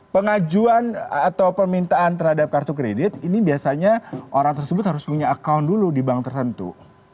pengajuan atau permintaan terhadap kartu kredit ini biasanya orang tersebut harus punya account dulu di bank tertentu